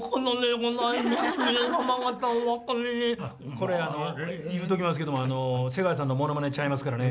これ言うときますけども瀬川さんのモノマネちゃいますからね。